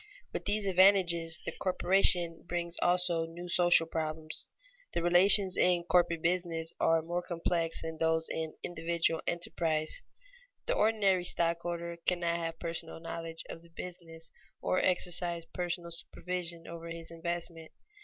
With these advantages the corporation brings also new social problems. The relations in corporate business are more complex than those in individual enterprise. The ordinary stockholder cannot have personal knowledge of the business or exercise personal supervision over his investment.